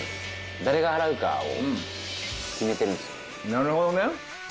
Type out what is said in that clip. なるほどね。